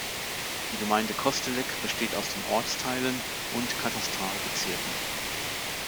Die Gemeinde Kostelec besteht aus den Ortsteilen und Katastralbezirken